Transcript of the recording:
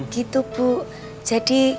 gitu bu jadi